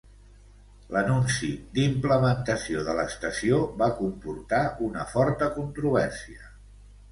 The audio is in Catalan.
L'anunci d'implementació de l'estació va comportar una forta controvèrsia.